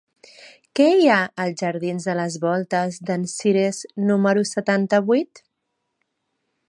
Què hi ha als jardins de les Voltes d'en Cirés número setanta-vuit?